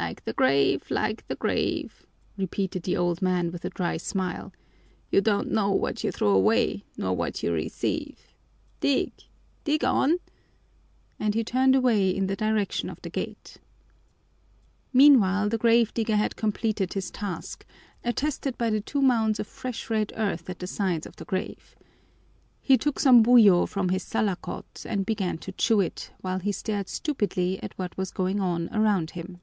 "Like the grave, like the grave!" repeated the old man with a dry smile. "You don't know what you throw away nor what you receive! Dig, dig on!" And he turned away in the direction of the gate. Meanwhile, the grave digger had completed his task, attested by the two mounds of fresh red earth at the sides of the grave. He took some buyo from his salakot and began to chew it while he stared stupidly at what was going on around him.